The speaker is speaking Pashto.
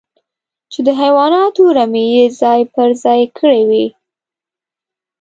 چې د حيواناتو رمې يې ځای پر ځای کړې وې.